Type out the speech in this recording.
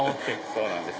そうなんです。